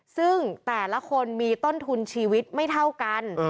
ซึ่งแต่ละคนมีต้นทุนชีวิตไม่เท่ากัน